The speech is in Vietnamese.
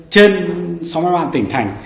trên sáu mươi ba ban tỉnh thành